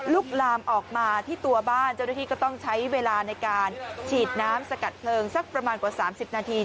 ลามออกมาที่ตัวบ้านเจ้าหน้าที่ก็ต้องใช้เวลาในการฉีดน้ำสกัดเพลิงสักประมาณกว่า๓๐นาที